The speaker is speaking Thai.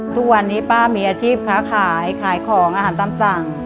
ทุกวันนี้ป้ามีอาชีพค้าขายขายของอาหารตามสั่ง